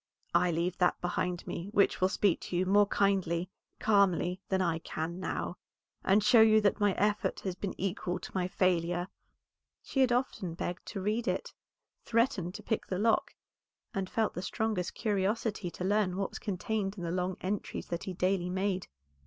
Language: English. "I leave that behind me which will speak to you more kindly, calmly, than I can now, and show you that my effort has been equal to my failure." She had often begged to read it, threatened to pick the lock, and felt the strongest curiosity to learn what was contained in the long entries that he daily made.